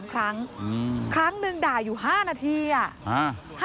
๓ครั้งครั้งหนึ่งด่าอยู่๕นาทีอ่ะ